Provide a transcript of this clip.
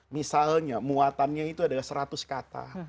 misalnya muatannya itu adalah seratus kata